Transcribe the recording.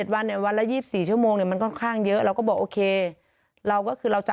วันเนี่ยวันละ๒๔ชั่วโมงเนี่ยมันค่อนข้างเยอะเราก็บอกโอเคเราก็คือเราจะ